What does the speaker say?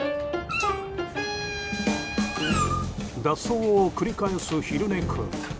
脱走を繰り返す、ひるね君。